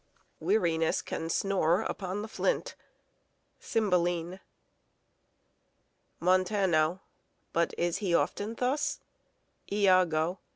Weariness Can snore upon the flint. CYMBELINE. Montano. But is he often thus _Iago.